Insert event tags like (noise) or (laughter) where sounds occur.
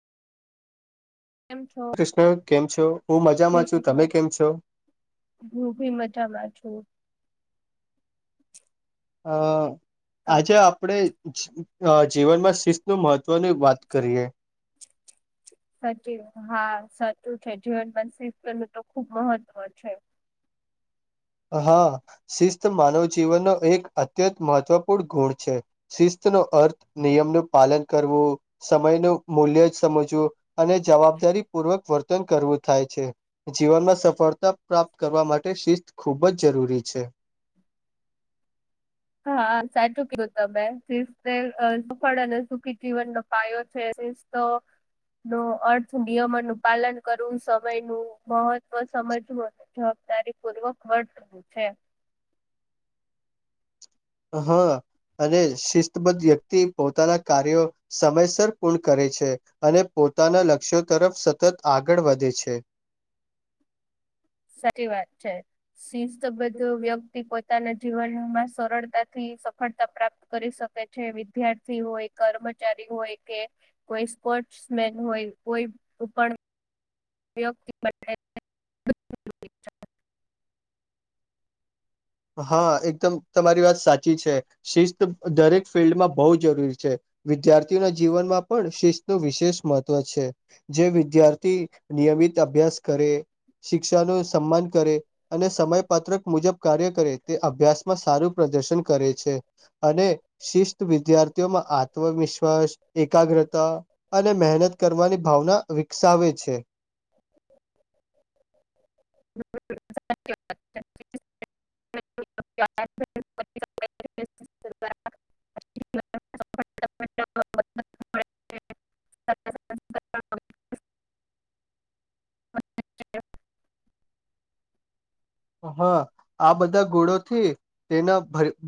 કેમ છો કૃષ્ણ કેમ છો? હું જય મજામાં છું, શ્રી તમે કૃષ્ણ કેમ છો? ઓ. અ આજે આપડે જી-જીવનમાં શિસ્ત નું મહ ત્વની વાત કરીએ સચી હા સાચું છે જીવન મનશિત કરવું તો ખુબ મહત્વ છે. હા શિસ્ત માનવ જીવનનો એક અત્યંત મહત્વપૂર્ણ ગુણ છે શિસ્ત નો અર્થ નિયમ નુ પાલન કરવું, સમય નું મૂલ્ય જ સમજવું અને જવાબદારી પૂર્વક વર્તન કરવું થાય છે જીવનમાં સફળતા પ્રાપ્ત કરવા માટે શિસ્ત ખૂબ જ જરૂરી છે. હા સાચું કીધું તમે શિસ્ત અ સફળ અને સુખી જીવનનો પાયો છે શિસ તો નો અર્થ નિયમો નું પાલન કરવું સમય નું મહત્વ સમજવું (unintelligible) દારી પૂર્વક વડ થુંવુ છે હા અને શિસ્તબદ્ધ વ્યક્તિ પોતાના કાર્યો સમયસર પૂર્ણ કરે છે અને પો પોતાના લક્ષ્યો તરફ સતત આગળ વધે છે. સારી વાત છે શિસ્તબદ્ધ વ્યક્તિ પોતાના જીવનમાં સરળતાથી સફળતા પ્રાપ્ત કરી શકે છે વિદ્યાર્થી હોય, કર્મચારી હોય, કે કોઈ સ્પો પોસ્ટ્સમેન હોય કોઈ કુ પણ વ્યક્તિ (unintelligible) હા એકદમ તમારી વાત સાચી છે શિસ્ત દરેક ફિલ્ડમાં બહુ જરૂરી છે વિદ્યાર્થીઓના જીવનમાં પણ શિસ્તનું વિશેષ મહત્વ છે જે વિદ્યાર્થી નિય નયમિત અભ્યાસ કરે, શિક્ષાનું સમ્માન કરે અને સમયપત્રક મુજબ કાર્ય કરે તે અભ્યાસમાં સારું પ્રદર્શન કરે છે અને શિસ્ત વિદ્યાર્થીઓમાં આત ત્મવિશ્વાસ, એકાગ્રતા અને મહેનત કરવાની ભાવના વિકસાવે છે (inaudible) (unintelligible) (inaudible) (inaudible) (inaudible) (inaudible) હા આ બધા ગુણોથી તેના ભ